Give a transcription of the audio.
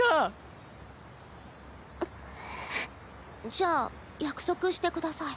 じゃあ約束してください。